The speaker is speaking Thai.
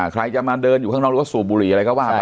ใครจะมาเดินอยู่ข้างนอกหรือว่าสูบบุหรี่อะไรก็ว่าไป